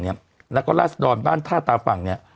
และก็ราชดรบ้านท่าตาฝั่ง